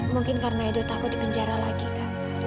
mungkin karena edo takut dipenjara lagi kak